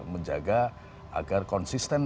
menjaga agar konsistensi